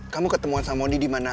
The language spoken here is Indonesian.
kamu ketemuan sama mundi dimana